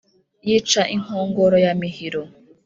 yica inkongoro ya mihiro.